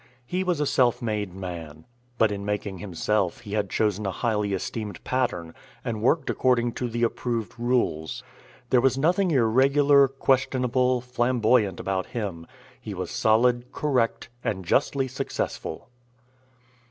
He was a self made man. But in making himself he had chosen a highly esteemed pattern and worked according to the approved rules. There was nothing irregular, questionable, flamboyant about him. He was solid, correct, and justly successful.